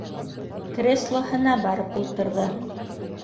Кресло һына барып ултырҙы: